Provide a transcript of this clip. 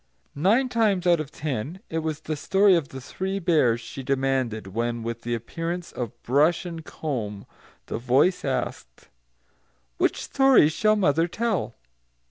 Nine times out of ten, it was the story of The Three Bears she demanded when, with the appearance of brush and comb, the voice asked, "Which story shall mother tell?"